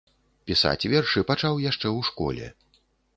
Пісаць вершы пачаў яшчэ ў школе.